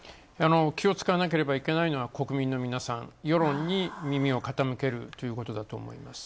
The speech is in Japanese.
気を遣わなければいけないのは、国民の皆さん、世論に耳を傾けるということだと思います。